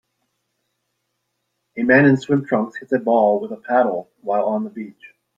A man in swim trunks hits a ball with a paddle, while on the beach.